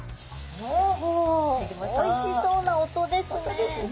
おいしそうな音ですね。